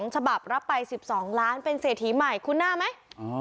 ฉบับรับไป๑๒ล้านเป็นเศรษฐีใหม่คุ้นหน้าไหม